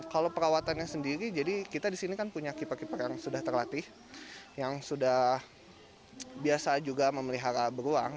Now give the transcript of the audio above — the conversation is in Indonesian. kalau perawatannya sendiri jadi kita disini kan punya keeper keeper yang sudah terlatih yang sudah biasa juga memelihara beruang